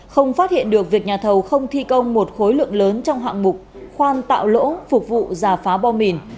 không phát hiện được việc nhà thầu không thi công một khối lượng lớn trong hạng mục khoan tạo lỗ phục vụ giả phá bom mìn